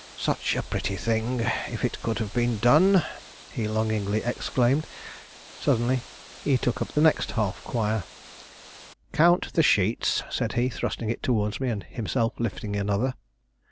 "Such a pretty thing, if it could have been done!" he longingly exclaimed. Suddenly he took up the next half quire. "Count the sheets," said he, thrusting it towards me, and himself lifting another.